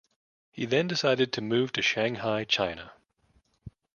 He then decided to move to Shanghai, China.